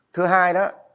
thứ hai đó